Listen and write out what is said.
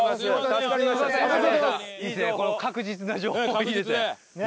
確実な情報いいですね。